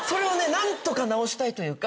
なんとか直したいというか。